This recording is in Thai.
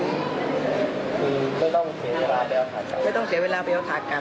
อืมไม่ต้องเสียเวลาไปเอาถาดกับไม่ต้องเสียเวลาไปเอาถาดกับ